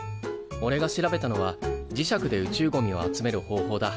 おれが調べたのは磁石で宇宙ゴミを集める方法だ。